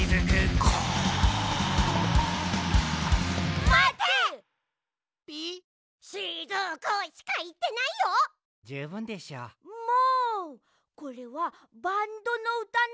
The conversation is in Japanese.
これはバンドのうたなんだ。